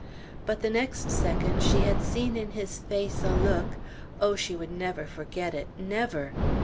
But the next second she had seen in his face a look; oh, she would never forget it, never!